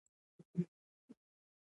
يو فلم The Beast of War په نوم مشهور دے.